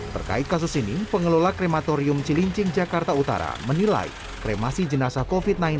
terkait kasus ini pengelola krematorium cilincing jakarta utara menilai kremasi jenazah covid sembilan belas